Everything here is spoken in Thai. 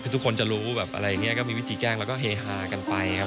คือทุกคนจะรู้แบบอะไรอย่างนี้ก็มีวิธีแจ้งแล้วก็เฮฮากันไปครับ